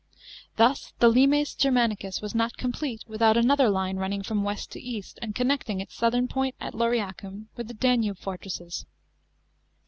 Thus the limes Germanicus was not complete, without another line running from west to east, and connecting its southern point at Lauriacum with the Danube fortresses.